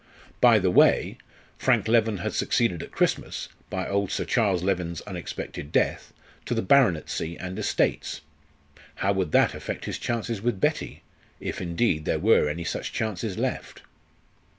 By the way, Frank Leven had succeeded at Christmas, by old Sir Charles Leven's unexpected death, to the baronetcy and estates. How would that affect his chances with Betty? if indeed there were any such chances left.